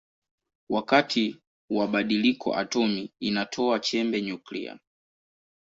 Wakati wa badiliko atomi inatoa chembe nyuklia.